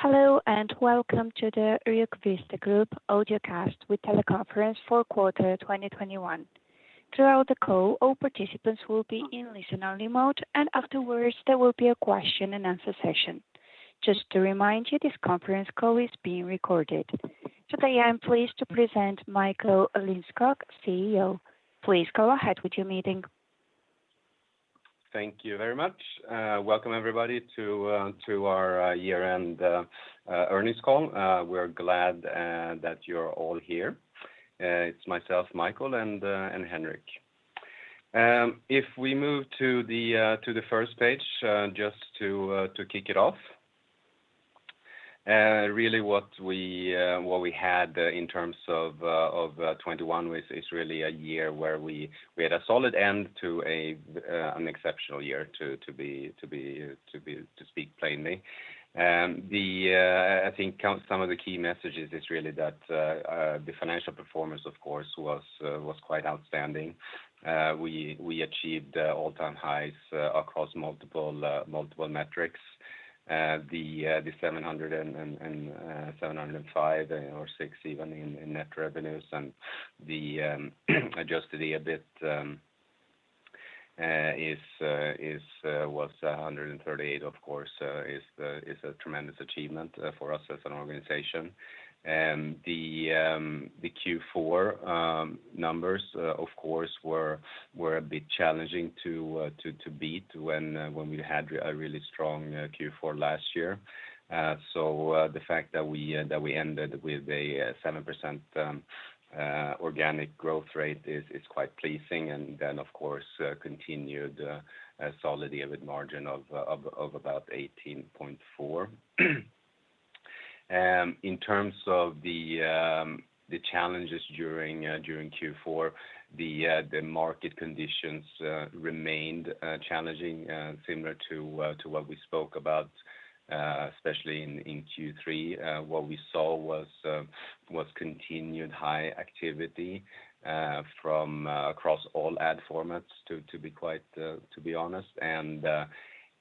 Hello, and Welcome to the RugVista Group Audiocast with Teleconference Fourth Quarter 2021. Throughout the call, all participants will be in listen-only mode, and afterwards there will be a question and answer session. Just to remind you, this conference call is being recorded. Today, I am pleased to present Michael Lindskog, Chief Executive Officer. Please go ahead with your meeting. Thank you very much. Welcome everybody to our year-end earnings call. We're glad that you're all here. It's myself, Michael, and Henrik. If we move to the first page, just to kick it off. Really what we had in terms of 2021 was is really a year where we had a solid end to an exceptional year to speak plainly. I think some of the key messages is really that the financial performance of course was quite outstanding. We achieved all-time highs across multiple metrics. The 705 or even 706 in net revenues and the adjusted EBIT was 138, of course, is a tremendous achievement for us as an organization. The Q4 numbers, of course, were a bit challenging to beat when we had a really strong Q4 last year. The fact that we ended with a 7% organic growth rate is quite pleasing. Of course, continued solid EBIT margin of about 18.4%. In terms of the challenges during Q4, the market conditions remained challenging, similar to what we spoke about, especially in Q3. What we saw was continued high activity from across all ad formats, to be quite honest,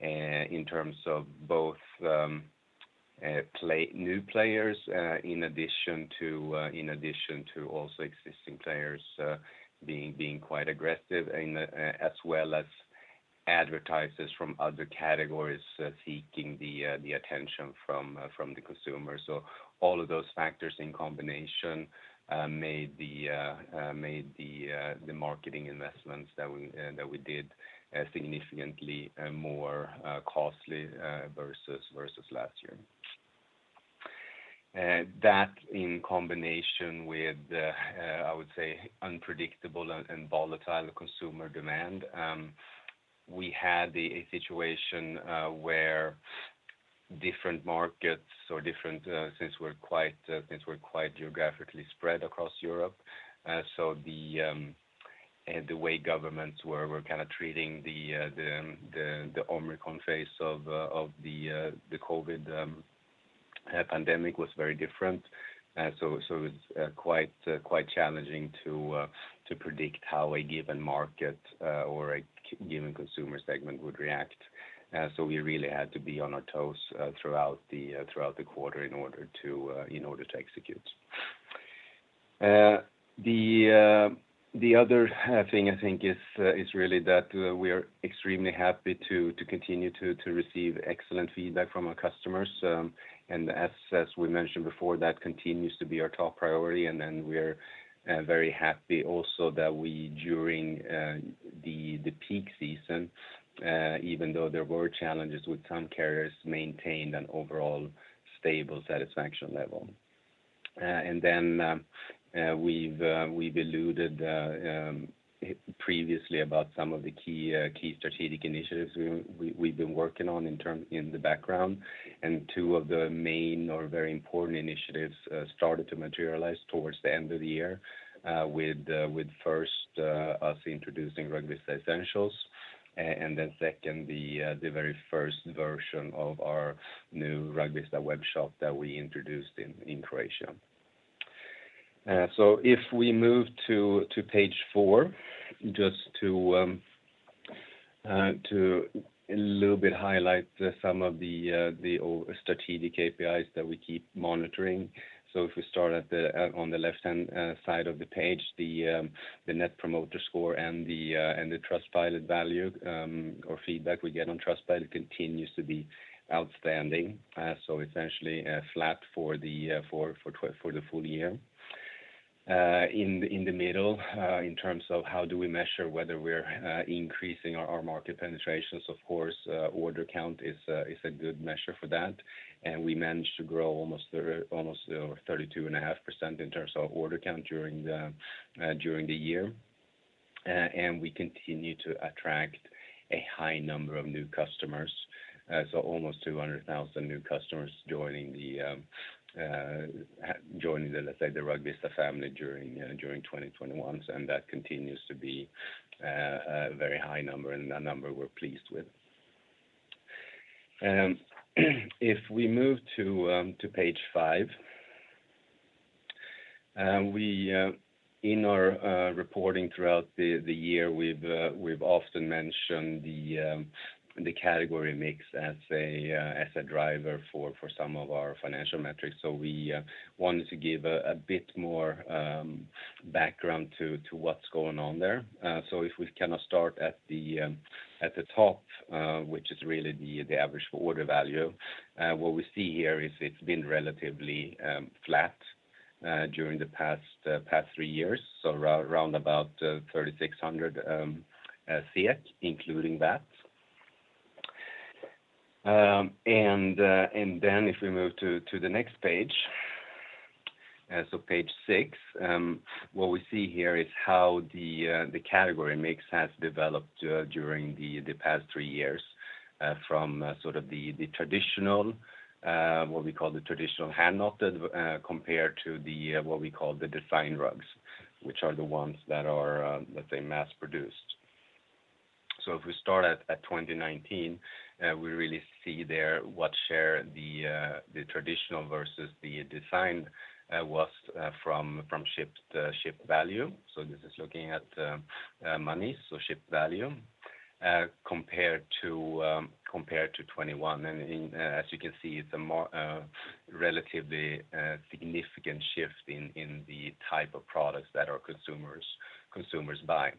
in terms of both new players in addition to also existing players being quite aggressive and as well as advertisers from other categories seeking the attention from the consumer. All of those factors in combination made the marketing investments that we did significantly more costly versus last year. That in combination with, I would say, unpredictable and volatile consumer demand, we had a situation where, since we're quite geographically spread across Europe, the way governments were kind of treating the Omicron phase of the COVID pandemic was very different. It's quite challenging to predict how a given market or a given consumer segment would react. We really had to be on our toes throughout the quarter in order to execute. The other thing I think is really that we are extremely happy to continue to receive excellent feedback from our customers. As we mentioned before, that continues to be our top priority. We are very happy also that we during the peak season, even though there were challenges with some carriers, maintained an overall stable satisfaction level. We've alluded previously about some of the key strategic initiatives we've been working on in the background. Two of the main or very important initiatives started to materialize towards the end of the year with first us introducing RugVista Essentials and then second the very first version of our new RugVista Webshop that we introduced in Croatia. If we move to page four just to a little bit highlight some of the strategic KPIs that we keep monitoring. If we start on the left-hand side of the page, the Net Promoter Score and the Trustpilot value or feedback we get on Trustpilot continues to be outstanding. Essentially, flat for the full year. In the middle, in terms of how do we measure whether we're increasing our market penetrations, of course, order count is a good measure for that. We managed to grow almost 32.5% in terms of order count during the year. We continue to attract a high number of new customers. Almost 200,000 new customers joining the, let's say, the RugVista family during 2021. That continues to be a very high number, and a number we're pleased with. If we move to page five. In our reporting throughout the year, we've often mentioned the category mix as a driver for some of our financial metrics. We wanted to give a bit more background to what's going on there. If we kind of start at the top, which is really the average order value, what we see here is it's been relatively flat during the past three years, so around about 3,600 including that. If we move to the next page, so page six, what we see here is how the category mix has developed during the past three years from sort of the traditional what we call the traditional hand-knotted compared to the what we call the design rugs, which are the ones that are let's say mass-produced. If we start at 2019, we really see there what share the traditional versus the design was from shipped value. This is looking at money, so shipped value compared to 2021. As you can see, it's a more relatively significant shift in the type of products that our consumers buy.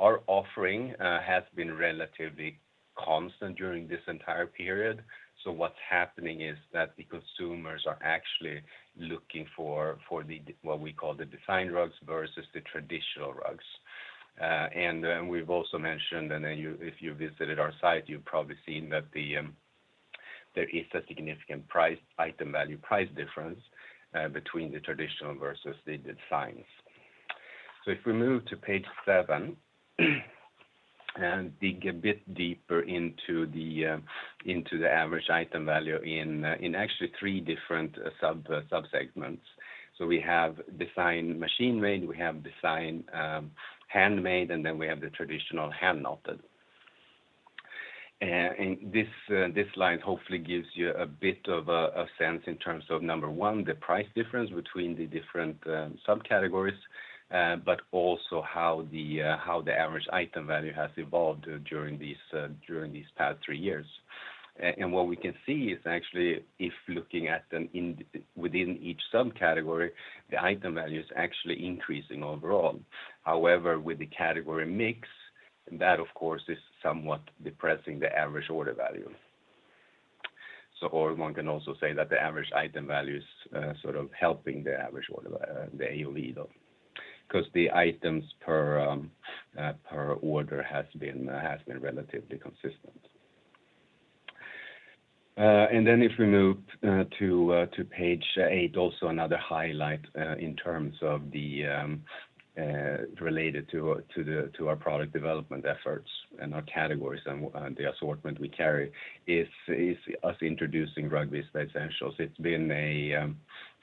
Our offering has been relatively constant during this entire period. What's happening is that the consumers are actually looking for what we call the design rugs versus the traditional rugs. We've also mentioned, and then if you visited our site, you've probably seen that there is a significant price item value price difference between the traditional versus the designs. If we move to page seven and dig a bit deeper into the average item value in actually three different sub-segments. We have design machine made, we have design handmade, and then we have the traditional hand-knotted. This slide hopefully gives you a bit of a sense in terms of, number one, the price difference between the different subcategories, but also how the average item value has evolved during these past three years. What we can see is actually if looking within each subcategory, the item value is actually increasing overall. However, with the category mix, that of course is somewhat depressing the average order value. Or one can also say that the average item value is sort of helping the average order, the AOV, though, 'cause the items per order has been relatively consistent. If we move to page eight, also another highlight in terms of the related to our product development efforts and our categories and the assortment we carry is us introducing RugVista Essentials. It's been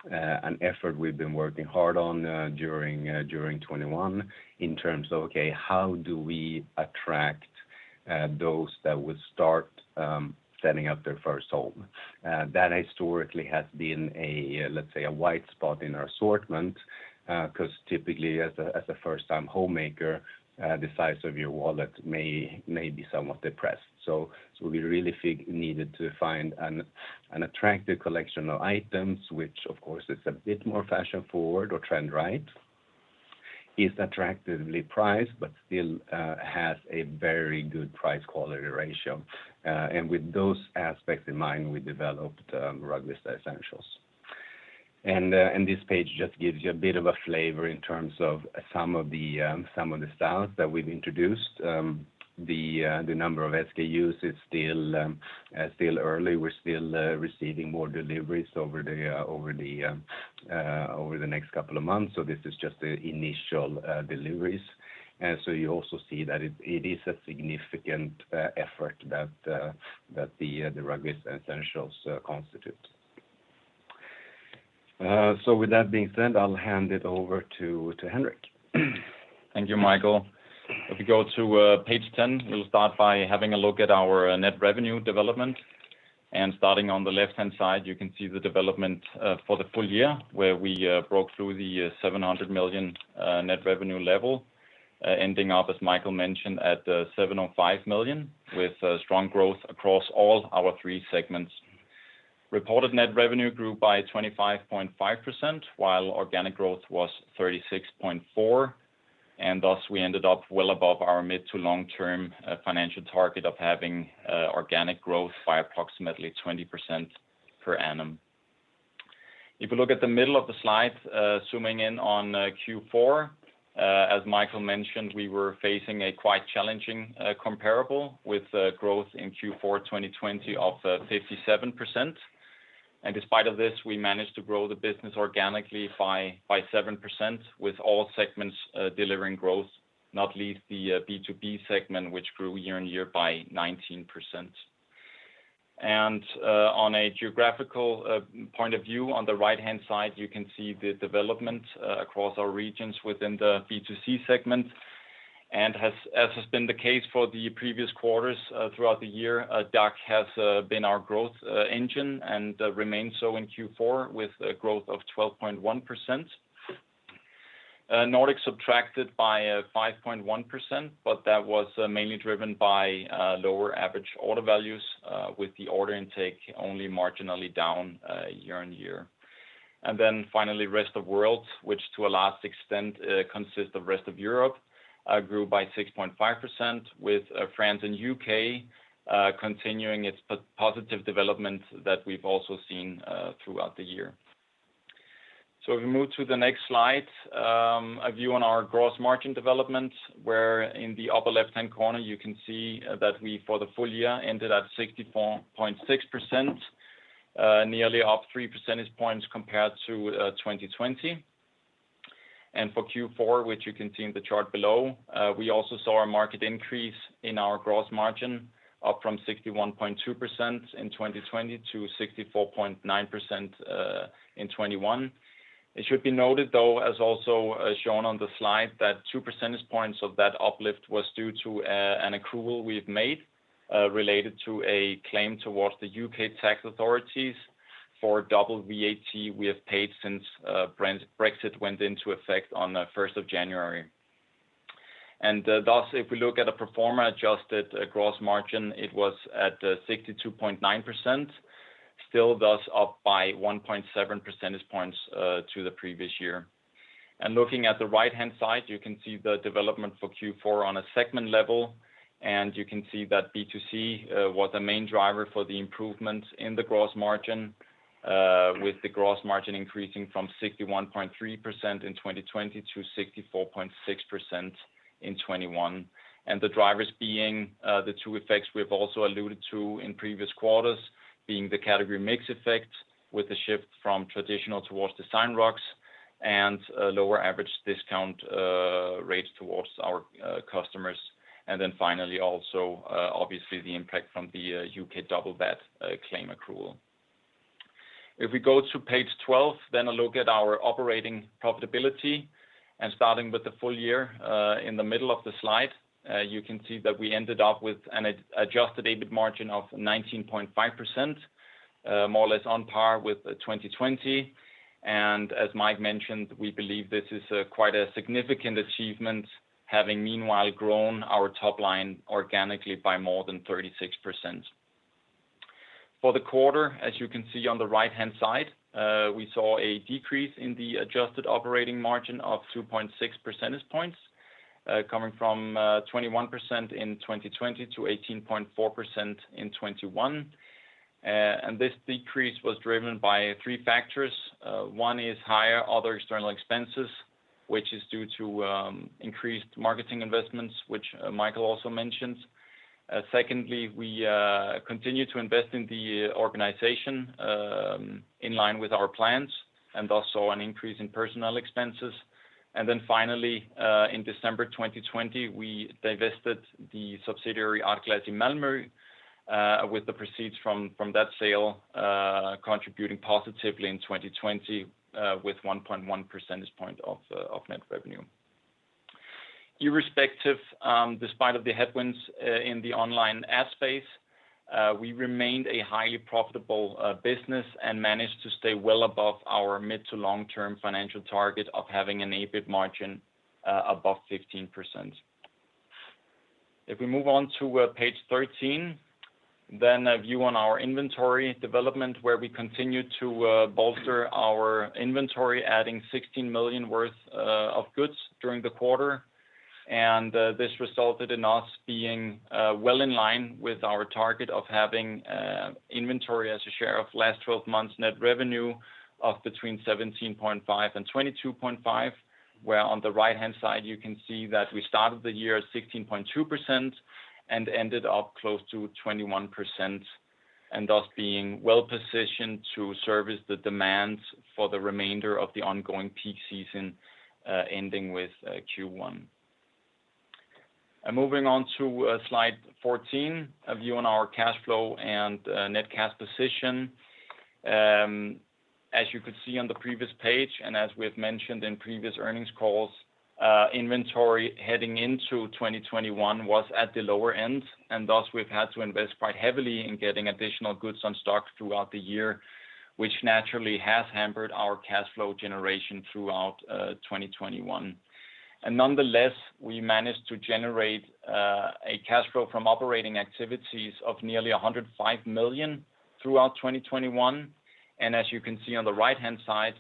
an effort we've been working hard on during 2021 in terms of, okay, how do we attract those that would start setting up their first home? That historically has been a let's say a wide spot in our assortment 'cause typically as a first-time homemaker the size of your wallet may be somewhat depressed. We really needed to find an attractive collection of items, which of course is a bit more fashion forward or trend right, is attractively priced, but still has a very good price-quality ratio. With those aspects in mind, we developed RugVista Essentials. This page just gives you a bit of a flavor in terms of some of the styles that we've introduced. The number of SKUs is still early. We're still receiving more deliveries over the next couple of months, so this is just the initial deliveries. You also see that it is a significant effort that the RugVista Essentials constitute. With that being said, I'll hand it over to Henrik. Thank you, Michael. If you go to page 10, we'll start by having a look at our net revenue development. Starting on the left-hand side, you can see the development for the full year, where we broke through the 700 million net revenue level, ending up, as Michael mentioned, at 705 million, with strong growth across all our three segments. Reported net revenue grew by 25.5%, while organic growth was 36.4%, and thus, we ended up well above our mid- to long-term financial target of having organic growth by approximately 20% per annum. If you look at the middle of the slide, zooming in on Q4, as Michael mentioned, we were facing a quite challenging comparable with growth in Q4 2020 of 57%. Despite of this, we managed to grow the business organically by 7%, with all segments delivering growth, not least the B2B segment, which grew year-on-year by 19%. On a geographical point of view, on the right-hand side, you can see the development across our regions within the B2C segment. As has been the case for the previous quarters throughout the year, DACH has been our growth engine and remains so in Q4 with a growth of 12.1%. Nordic subtracted by 5.1%, but that was mainly driven by lower average order values, with the order intake only marginally down year-on-year. Then finally, rest of world, which to a large extent consists of rest of Europe, grew by 6.5%, with France and U.K. continuing its positive development that we've also seen throughout the year. If we move to the next slide, a view on our gross margin development, where in the upper left-hand corner you can see that we for the full year ended at 64.6%, nearly up 3 percentage points compared to 2020. For Q4, which you can see in the chart below, we also saw a marked increase in our gross margin up from 61.2% in 2020 to 64.9% in 2021. It should be noted, though, as also shown on the slide, that 2 percentage points of that uplift was due to an accrual we've made related to a claim towards the U.K. tax authorities for double VAT we have paid since Brexit went into effect on the first of January. Thus, if we look at a pro forma adjusted gross margin, it was at 62.9%. Still, thus, up by 1.7 percentage points to the previous year. Looking at the right-hand side, you can see the development for Q4 on a segment level. You can see that B2C was the main driver for the improvement in the gross margin, with the gross margin increasing from 61.3% in 2020 to 64.6% in 2021. The drivers being, the two effects we've also alluded to in previous quarters, being the category mix effect with the shift from traditional towards design rugs and a lower average discount, rates towards our, customers. Finally, also, obviously the impact from the, U.K double VAT, claim accrual. If we go to page 12, then a look at our operating profitability. Starting with the full year, in the middle of the slide, you can see that we ended up with an adjusted EBIT margin of 19.5%, more or less on par with, 2020. As Michael mentioned, we believe this is, quite a significant achievement, having meanwhile grown our top line organically by more than 36%. For the quarter, as you can see on the right-hand side, we saw a decrease in the adjusted operating margin of 2.6 percentage points, coming from 21% in 2020 to 18.4% in 2021. This decrease was driven by three factors. One is higher other external expenses, which is due to increased marketing investments, which Michael also mentioned. Secondly, we continue to invest in the organization in line with our plans, and thus saw an increase in personnel expenses. Finally, in December 2020, we divested the subsidiary ArtGlass i Malmö AB with the proceeds from that sale contributing positively in 2020 with 1.1 percentage point of net revenue. Irrespective, despite of the headwinds in the online ad space, we remained a highly profitable business and managed to stay well above our mid to long term financial target of having an EBIT margin above 15%. If we move on to page 13, then a view on our inventory development, where we continued to bolster our inventory, adding 16 million worth of goods during the quarter. This resulted in us being well in line with our target of having inventory as a share of last 12 months net revenue of between 17.5% and 22.5%. Where on the right-hand side you can see that we started the year at 16.2% and ended up close to 21%, and thus being well positioned to service the demands for the remainder of the ongoing peak season, ending with Q1. Moving on to slide 14, a view on our cash flow and net cash position. As you could see on the previous page, and as we have mentioned in previous earnings calls, inventory heading into 2021 was at the lower end, and thus we've had to invest quite heavily in getting additional goods on stock throughout the year, which naturally has hampered our cash flow generation throughout 2021. Nonetheless, we managed to generate a cash flow from operating activities of nearly 105 million throughout 2021. As you can see on the right-hand side,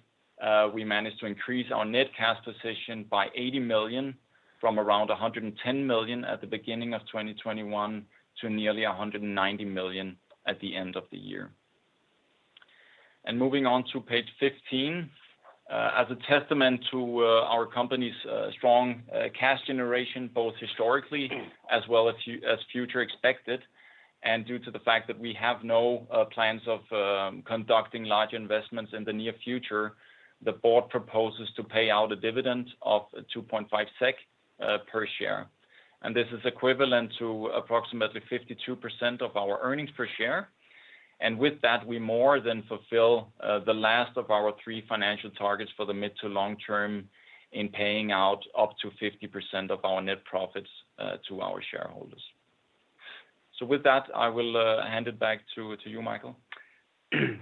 we managed to increase our net cash position by 80 million from around 110 million at the beginning of 2021 to nearly 190 million at the end of the year. Moving on to page 15. As a testament to our company's strong cash generation, both historically as well as future expected, and due to the fact that we have no plans of conducting large investments in the near future, the board proposes to pay out a dividend of 2.5 SEK per share. This is equivalent to approximately 52% of our earnings per share. With that, we more than fulfill the last of our three financial targets for the mid to long term in paying out up to 50% of our net profits to our shareholders. With that, I will hand it back to you, Michael.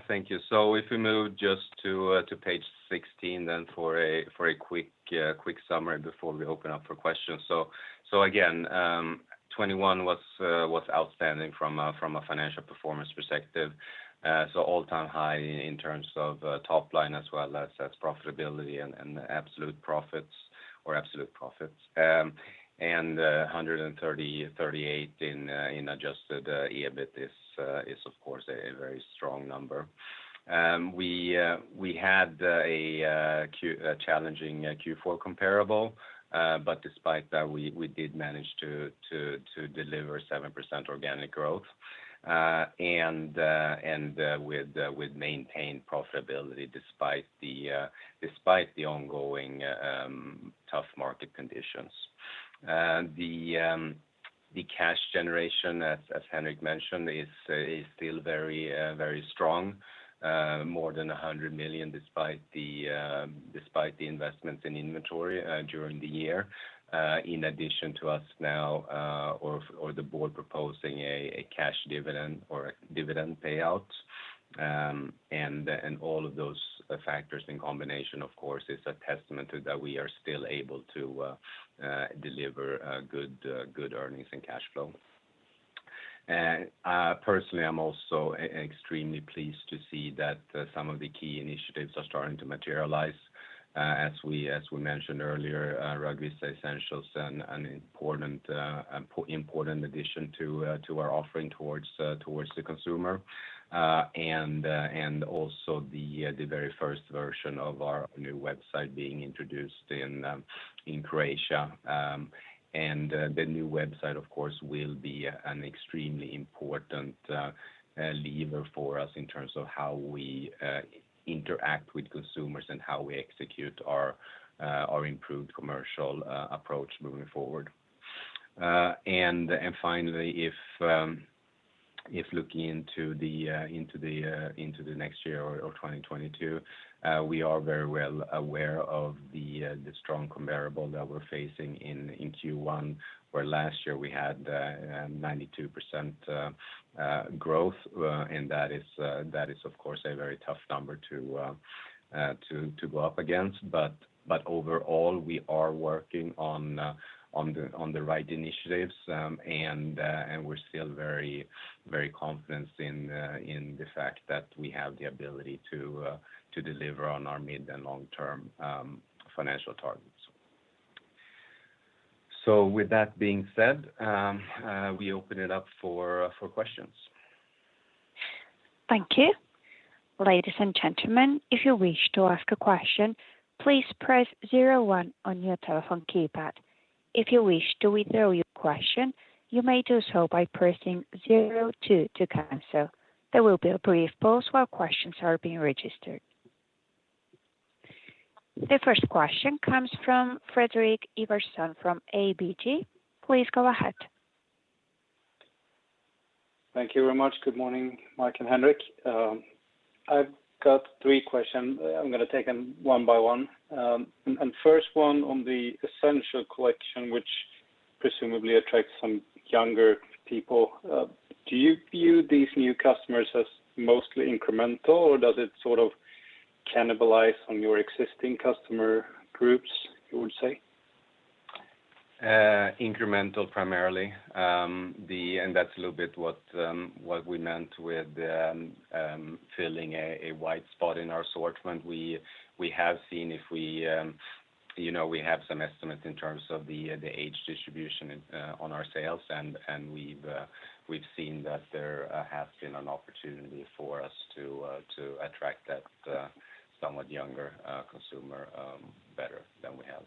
Thank you. If we move just to page 16 then for a quick summary before we open up for questions. Again, 2021 was outstanding from a financial performance perspective. All-time high in terms of top line as well as profitability and absolute profits. 138 million in adjusted EBIT is of course a very strong number. We had a challenging Q4 comparable, but despite that, we did manage to deliver 7% organic growth. With maintained profitability despite the ongoing tough market conditions. The cash generation, as Henrik mentioned, is still very strong, more than 100 million despite the investments in inventory during the year, in addition to us now, or the board proposing a cash dividend or a dividend payout. All of those factors in combination, of course, is a testament to that we are still able to deliver good earnings and cash flow. Personally, I'm also extremely pleased to see that some of the key initiatives are starting to materialize. As we mentioned earlier, RugVista Essentials and important addition to our offering towards the consumer. Also the very first version of our new website being introduced in Croatia. The new website, of course, will be an extremely important lever for us in terms of how we interact with consumers and how we execute our improved commercial approach moving forward. Finally, if looking into the next year or 2022, we are very well aware of the strong comparable that we're facing in Q1, where last year we had 92% growth. That is of course a very tough number to go up against. Overall, we are working on the right initiatives. We're still very, very confident in the fact that we have the ability to deliver on our mid and long-term financial targets. With that being said, we open it up for questions. The first question comes from Fredrik Ivarsson from ABG. Please go ahead. Thank you very much. Good morning, Michael and Henrik. I've got three questions. I'm gonna take them one by one. First one on the Essentials, which presumably attracts some younger people. Do you view these new customers as mostly incremental, or does it sort of cannibalize on your existing customer groups, you would say? Incremental primarily. That's a little bit what we meant with filling a wide spot in our assortment. We have seen if we you know we have some estimates in terms of the age distribution on our sales, and we've seen that there has been an opportunity for us to attract that somewhat younger consumer better than we have.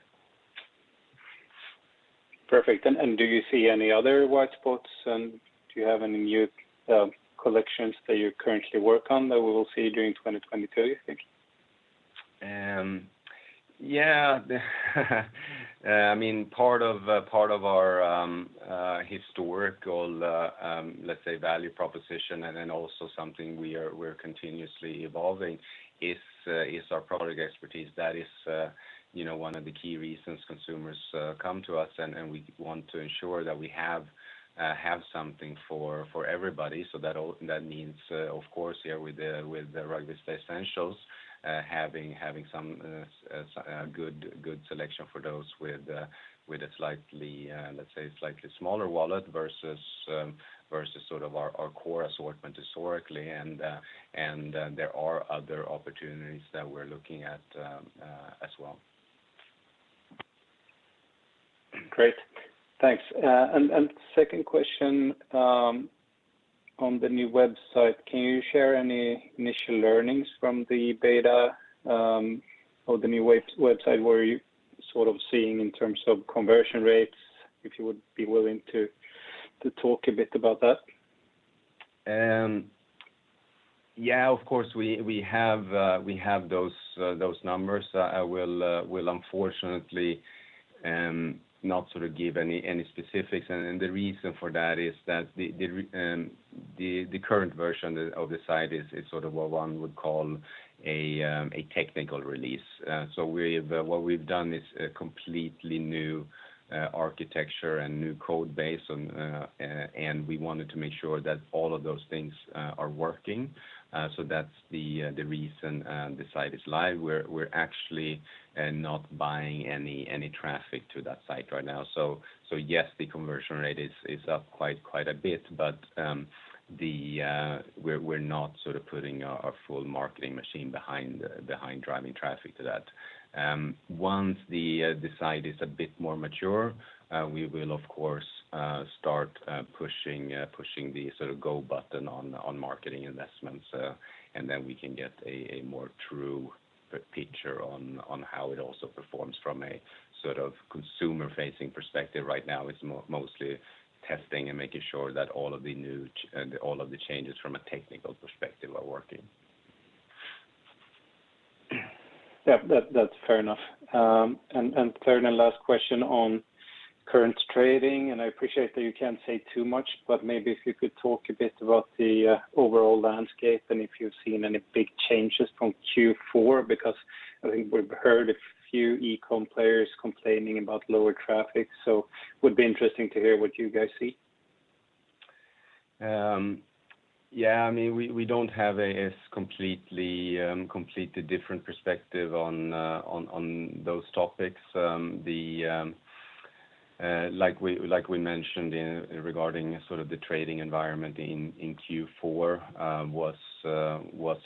Perfect. Do you see any other white spots, and do you have any new collections that you currently work on that we will see during 2022, you think? Yeah. I mean, part of our historical, let's say, value proposition and then also something we're continuously evolving is our product expertise. That is, you know, one of the key reasons consumers come to us, and we want to ensure that we have something for everybody. That means, of course, yeah, with the RugVista Essentials, having some good selection for those with a slightly, let's say, slightly smaller wallet versus sort of our core assortment historically. There are other opportunities that we're looking at, as well. Great. Thanks. Second question, on the new website. Can you share any initial learnings from the beta, or the new website? Were you sort of seeing in terms of conversion rates, if you would be willing to talk a bit about that? Yeah, of course, we have those numbers. I will unfortunately not give any specifics. The reason for that is that the current version of the site is sort of what one would call a technical release. What we've done is a completely new architecture and new code base and we wanted to make sure that all of those things are working. That's the reason the site is live. We're actually not buying any traffic to that site right now. Yes, the conversion rate is up quite a bit. We're not sort of putting our full marketing machine behind driving traffic to that. Once the site is a bit more mature, we will of course start pushing the sort of go button on marketing investments. Then we can get a more true picture on how it also performs from a sort of consumer-facing perspective. Right now, it's mostly testing and making sure that all of the changes from a technical perspective are working. Yeah, that's fair enough. Third and last question on current trading, and I appreciate that you can't say too much, but maybe if you could talk a bit about the overall landscape and if you've seen any big changes from Q4, because I think we've heard a few e-com players complaining about lower traffic, so would be interesting to hear what you guys see. Yeah, I mean, we don't have a completely different perspective on those topics. Like we mentioned regarding sort of the trading environment in Q4, it was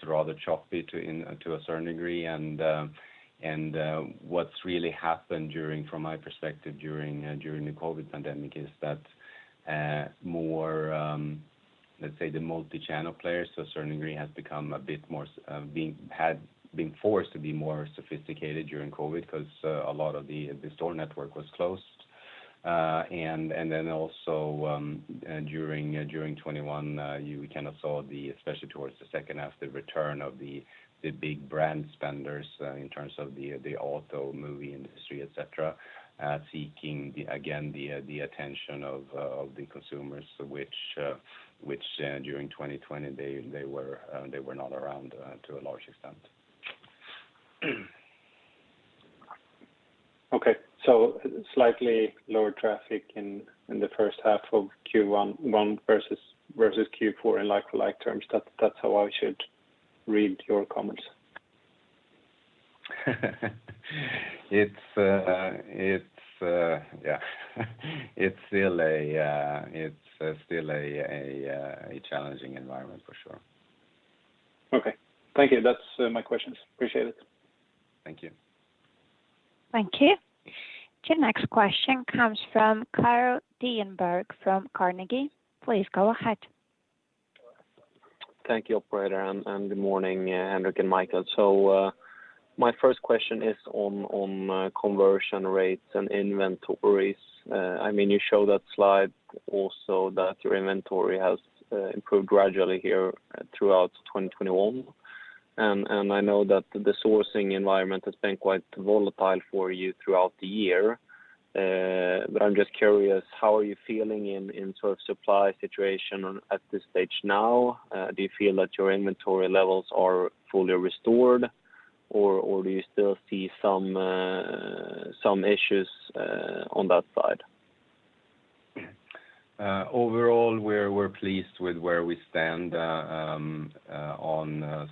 rather choppy to a certain degree. From my perspective, what's really happened during the COVID pandemic is that more, let's say, the multi-channel players to a certain degree had been forced to be more sophisticated during COVID, because a lot of the store network was closed. During 2021, you kind of saw, especially towards the second half, the return of the big brand spenders in terms of the automotive industry, et cetera, seeking again the attention of the consumers, which during 2020 they were not around to a large extent. Okay. Slightly lower traffic in the first half of Q1 versus Q4 in like-for-like terms. That's how I should read your comments? Yeah. It's still a challenging environment for sure. Okay. Thank you. That's my questions. Appreciate it. Thank you. Thank you. The next question comes from Carl Deijenberg from Carnegie. Please go ahead. Thank you, operator, and good morning, Henrik and Michael. My first question is on conversion rates and inventories. I mean, you show that slide also that your inventory has improved gradually here throughout 2021. I know that the sourcing environment has been quite volatile for you throughout the year. I'm just curious, how are you feeling in sort of supply situation at this stage now? Do you feel that your inventory levels are fully restored or do you still see some issues on that side? Overall, we're pleased with where we stand on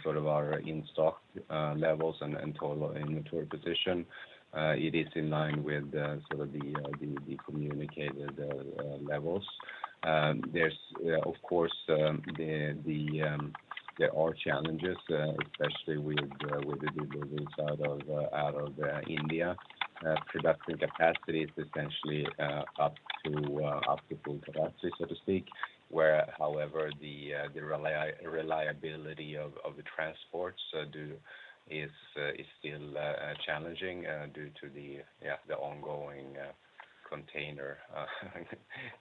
sort of our in-stock levels and total inventory position. It is in line with sort of the communicated levels. There are, of course, challenges, especially with the delays out of India. Production capacity is essentially up to full capacity, so to speak, where however, the reliability of the transports is still challenging due to the ongoing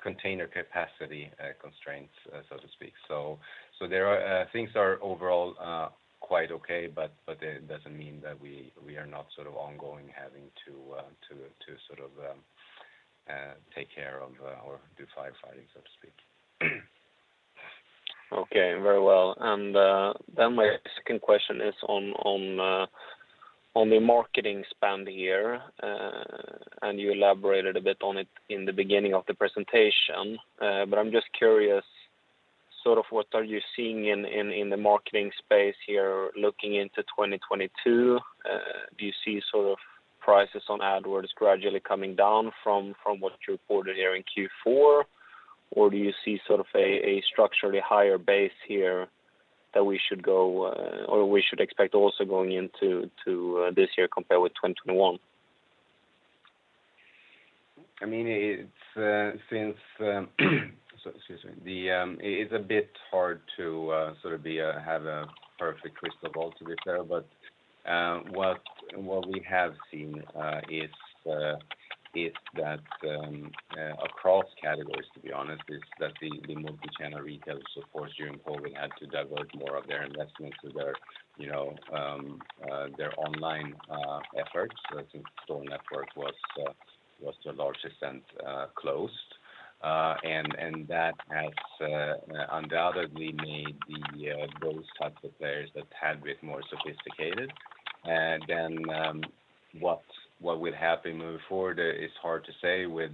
container capacity constraints, so to speak. Things are overall quite okay, but it doesn't mean that we are not sort of ongoing having to sort of take care of or do firefighting, so to speak. Okay, very well. Then my second question is on the marketing spend here. You elaborated a bit on it in the beginning of the presentation. I'm just curious, sort of what are you seeing in the marketing space here looking into 2022? Do you see sort of prices on AdWords gradually coming down from what you reported here in Q4? Or do you see sort of a structurally higher base here that we should expect also going into this year compared with 2021? I mean, excuse me. It's a bit hard to sort of have a perfect crystal ball to this there, but what we have seen is that across categories, to be honest, the multi-channel retailers, of course, during COVID, had to divert more of their investments to their, you know, their online efforts. I think store network was to a large extent closed. That has undoubtedly made those types of players a tad bit more sophisticated. What will happen moving forward is hard to say with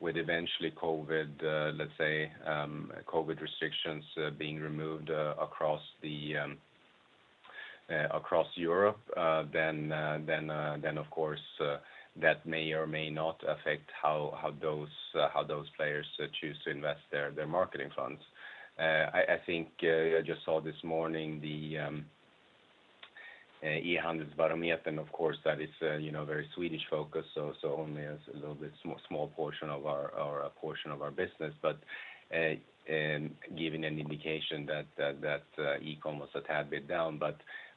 eventually COVID, let's say, COVID restrictions being removed across Europe, then of course that may or may not affect how those players choose to invest their marketing funds. I think I just saw this morning the E-handelsbarometern of course that is you know very Swedish focused, so only a little bit small portion of our or a portion of our business. Giving an indication that e-com was a tad bit down,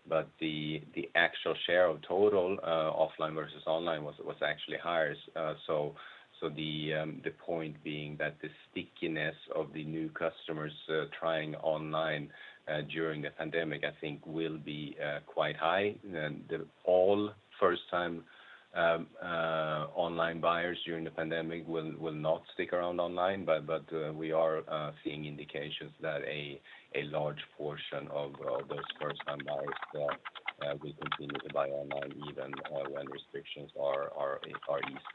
but the actual share of total offline versus online was actually higher. The point being that the stickiness of the new customers trying online during the pandemic, I think, will be quite high. Not all first-time online buyers during the pandemic will not stick around online, but we are seeing indications that a large portion of those first-time buyers will continue to buy online even when restrictions are eased.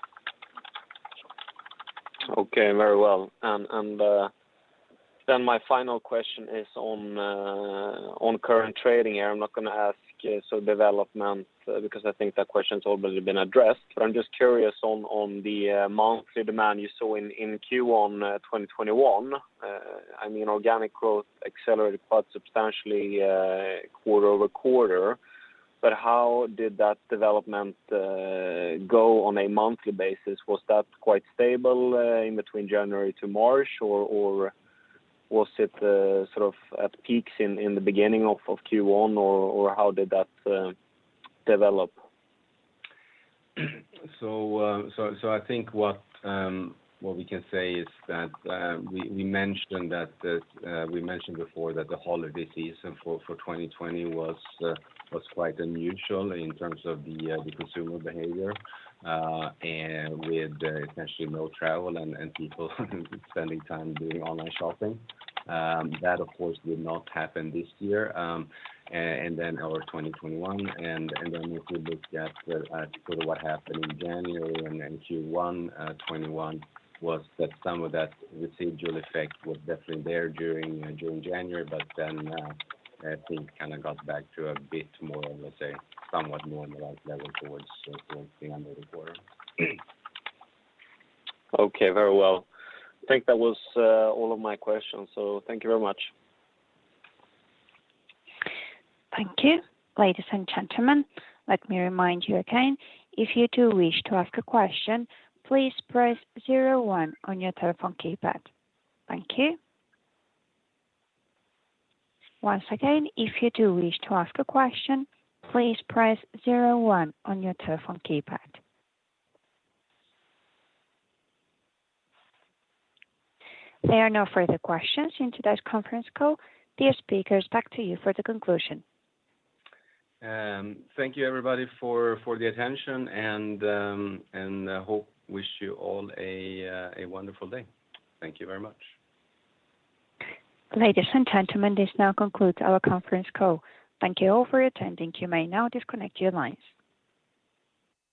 Okay. Very well. My final question is on current trading here. I'm not gonna ask on development because I think that question's already been addressed. I'm just curious on the monthly demand you saw in Q1 2021. I mean organic growth accelerated quite substantially quarter-over-quarter, but how did that development go on a monthly basis? Was that quite stable in between January to March, or was it sort of at peaks in the beginning of Q1, or how did that develop? I think what we can say is that we mentioned before that the holiday season for 2020 was quite unusual in terms of the consumer behavior. With essentially no travel and people spending time doing online shopping, that of course did not happen this year and then early 2021. Then if we look at what happened in January and then Q1 2021, some of that residual effect was definitely there during January. I think it kinda got back to a bit more, let's say, somewhat normalized level towards the end of the quarter. Okay. Very well. I think that was all of my questions, so thank you very much. Thank you. Ladies and gentlemen, let me remind you again, if you do wish to ask a question, please press zero one on your telephone keypad. Thank you. Once again, if you do wish to ask a question, please press zero one on your telephone keypad. There are no further questions into this conference call.dear speakers, back to you for the conclusion. Thank you everybody for the attention and wish you all a wonderful day. Thank you very much. Ladies and gentlemen, this now concludes our conference call. Thank you all for attending. You may now disconnect your lines.